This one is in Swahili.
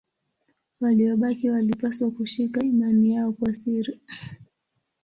Waliobaki walipaswa kushika imani yao kwa siri.